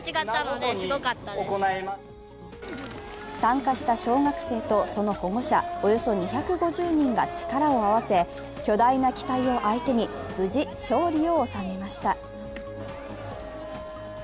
参加した小学生とその保護者、およそ２５０人が力を合わせ巨大な機体を相手に無事勝利を収めました。